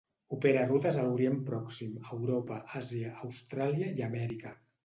Opera rutes a l'Orient Pròxim, Europa, Àsia, Austràlia i Amèrica.